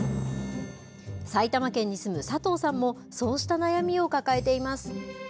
埼玉県に住む佐藤さんも、そうした悩みを抱えています。